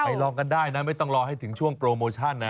ลองกันได้นะไม่ต้องรอให้ถึงช่วงโปรโมชั่นนะ